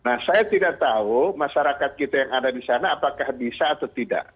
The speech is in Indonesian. nah saya tidak tahu masyarakat kita yang ada di sana apakah bisa atau tidak